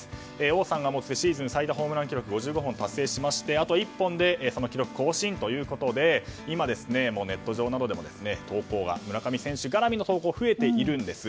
王さんが持つシーズン最多ホームラン記録５５本を達成しまして、あと１本でその記録を更新ということで今、ネット上などでも村上選手絡みの投稿が増えているんです。